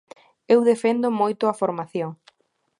Eu defendo moito a formación.